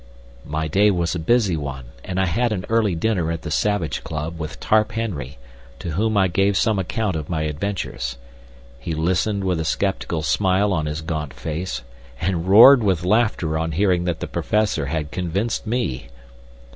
My day was a busy one, and I had an early dinner at the Savage Club with Tarp Henry, to whom I gave some account of my adventures. He listened with a sceptical smile on his gaunt face, and roared with laughter on hearing that the Professor had convinced me.